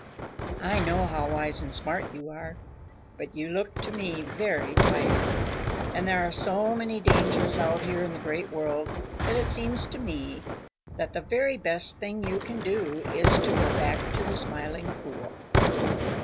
I know how wise and smart you are, but you look to me very tired, and there are so many dangers out here in the Great World that it seems to me that the very best thing you can do is to go back to the Smiling Pool."